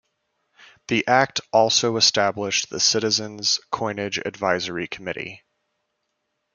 The act also established the Citizens Coinage Advisory Committee.